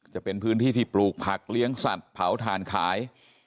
จะเป็นพื้นที่ที่ปลูกผักเลี้ยงสัตว์เผาถ่านขาย